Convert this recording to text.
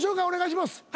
お願いします。